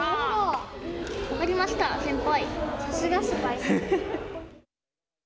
分かりました、先輩。